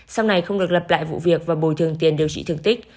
sau này không được lập lại vụ việc và bồi thường tiền điều trị thường tích